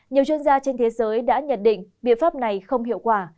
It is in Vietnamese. nhiều chuyên gia trên thế giới đã nhận định biện pháp này không hiệu quả